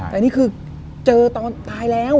แต่นี่คือเจอตอนตายแล้ว